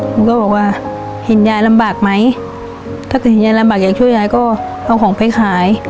หนูก็บอกว่าเห็นยายลำบากไหมถ้าเกิดเห็นยายลำบากอยากช่วยยายก็เอาของไปขาย